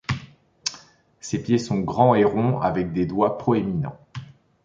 Ses pieds sont grands et ronds avec des doigts proéminents.